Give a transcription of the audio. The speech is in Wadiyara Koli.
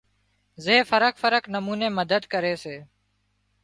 زي فرق فرق نموني مدد ڪري سي